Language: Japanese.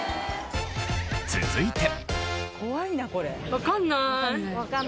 続いて。